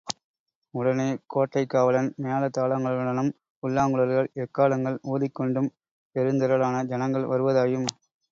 உடனே கோட்டைக் காவலன், மேள தாளங்களுடனும் புல்லாங்குழல்கள், எக்காளங்கள் ஊதிக்கொண்டும் பெருந்திரளான ஜனங்கள் வருவதாயும்.